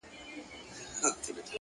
هره ورځ د نوې نسخې په شان ده!